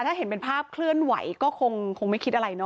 ถ้าเห็นเป็นภาพเคลื่อนไหวก็คงไม่คิดอะไรเนาะ